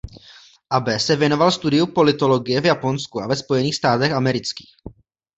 Abe se věnoval studiu politologie v Japonsku a ve Spojených státech amerických.